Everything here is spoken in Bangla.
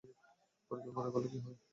পরিকল্পনা করলে কী হয়!